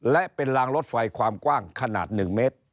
และเป็นรางรถไฟความกว้างขนาด๑เมตร